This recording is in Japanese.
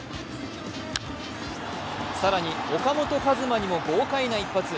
更に、岡本和真にも豪快な一発。